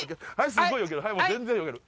すっごいよける！